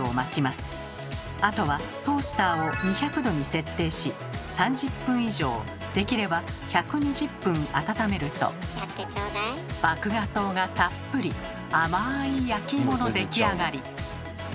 あとはトースターを２００℃に設定し３０分以上できれば１２０分温めると麦芽糖がたっぷりあまい焼き芋の出来上がり。